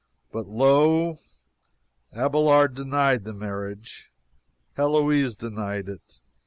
But lo! Abelard denied the marriage! Heloise denied it!